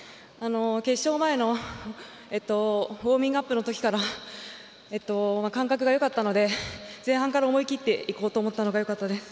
決勝前のウォーミングアップのときから感覚がよかったので、前半から思い切っていこうと思ったのがよかったです。